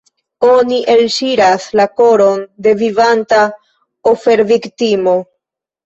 Oni elŝiras la koron de vivanta oferviktimo.